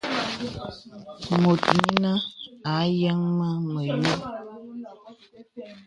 Mùt yīnə à yəŋ mə məyō.